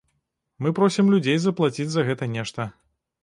Мы просім людзей заплаціць за гэта нешта.